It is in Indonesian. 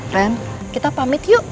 ren kita pamit yuk